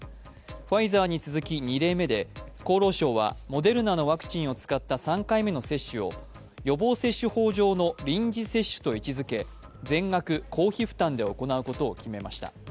ファイザーに続き２例目で、厚労省はモデルナを使った３回目の接種を予防接種法の臨時接種と位置づけ全額公費負担で行うことを決めました。